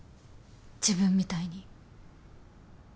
自分みたいに。